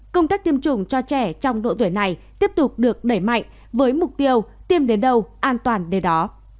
công tác tiêm chủng cho trẻ trong độ tuổi này tiếp tục được đẩy mạnh với mục tiêu tiêm đến đâu an toàn đến đó